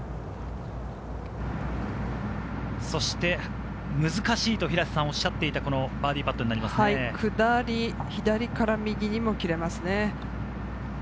そして難しいと平瀬さんがおっしゃっていたバーディーパットにな下り、左から右にも切れます。